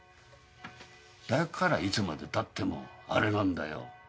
だからいつまで経ってもあれなんだよ。